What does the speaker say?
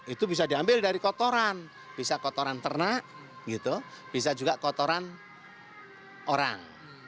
itu bisa diambil dari kotoran bisa kotoran ternak bisa juga kotoran orang